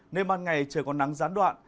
nên ban ngày trời còn nắng gián đoạn